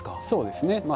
そうですね。